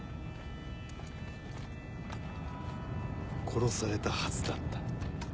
殺されたはずだった。